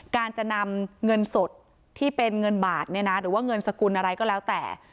การจะนำเงินสดที่เป็นเงินบาทเนี่ยนะหรือว่าเงินสกุลอะไรก็แล้วแต่